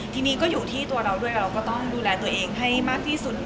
ทีนี้ก็อยู่ที่ตัวเราด้วยเราก็ต้องดูแลตัวเองให้มากที่สุด